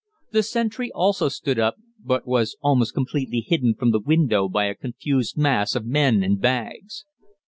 The sentry also stood up, but was almost completely hidden from the window by a confused mass of men and bags.